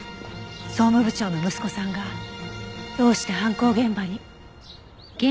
総務部長の息子さんがどうして犯行現場に？